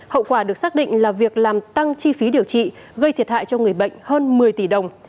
hậu quả được xác định là việc làm tăng chi phí điều trị gây thiệt hại cho người bệnh hơn một mươi tỷ đồng